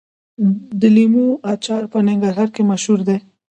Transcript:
د لیمو اچار په ننګرهار کې مشهور دی.